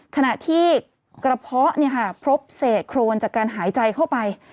ขณะที่กระเพาะพบเศษโครนจากการหายใจเข้าไป